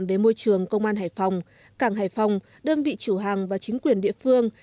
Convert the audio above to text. về môi trường công an hải phòng cảng hải phòng đơn vị chủ hàng và chính quyền địa phương